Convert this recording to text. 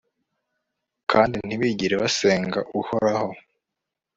kandi ntibigere basenga uhoraho